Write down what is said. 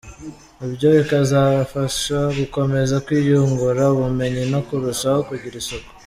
Ibyo bikazabafasha gukomeza kwiyungura ubumenyi no kurushaho kugira isuku.